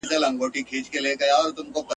کله یو خوا کله بله شاته تلله ..